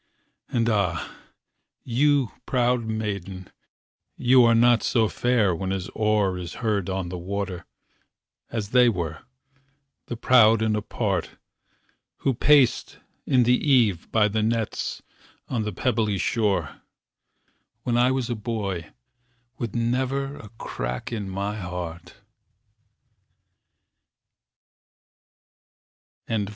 And ah, you proud maiden, you are not so fair when his oar Is heard on the water, as they were, the proud and apart, Who paced in the eve by the nets on the pebbly shore, When I was a boy with never a crack in my heart.